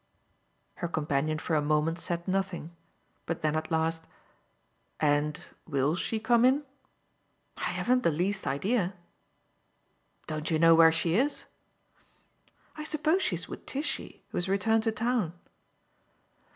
Her companion for a moment said nothing; but then at last: "And WILL she come in?" "I haven't the least idea." "Don't you know where she is?" "I suppose she's with Tishy, who has returned to town."